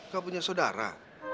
kau punya saudara